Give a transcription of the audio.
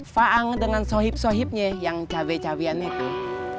faang dengan sohib sohibnya yang cabai cabiannya tuh